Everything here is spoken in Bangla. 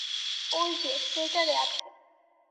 ওই যে স্ট্রেচারে আছে।